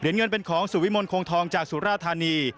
เงินเป็นของสุวิมลคงทองจากสุราธานี